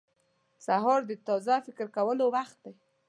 • سهار د تازه فکر کولو وخت دی.